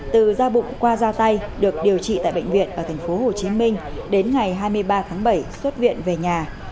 từ da bụng qua ra tay được điều trị tại bệnh viện ở tp hcm đến ngày hai mươi ba tháng bảy xuất viện về nhà